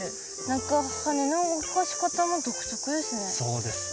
何か羽の動かし方も独特ですね。